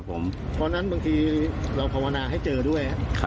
ครับผมเพราะฉะนั้นบางทีเราภาวนาให้เจอด้วยครับ